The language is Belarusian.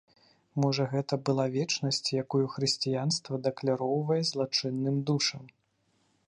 Можа гэта была вечнасць, якую хрысціянства дакляроўвае злачынным душам.